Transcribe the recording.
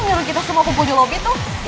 mel nyuruh kita semua pimpun di lobby tuh